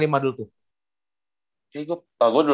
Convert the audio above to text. sama arigi waktu gue umur enam belas